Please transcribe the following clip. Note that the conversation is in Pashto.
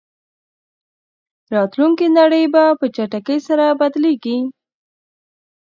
راتلونکې نړۍ به په چټکۍ سره بدلېږي.